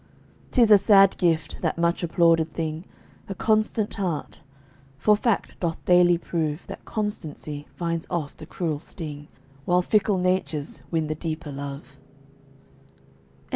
'Tis a sad gift, that much applauded thing, A constant heart; for fact doth daily prove That constancy finds oft a cruel sting, While fickle natures win the deeper love.